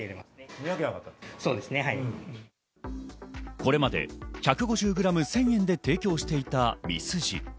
これまで１５０ｇ１０００円で提供していたミスジ。